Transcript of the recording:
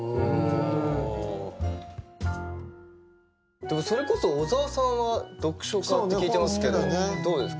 でもそれこそ小沢さんは読書家って聞いてますけどどうですか？